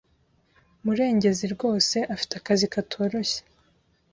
Murengezi rwose afite akazi katoroshye.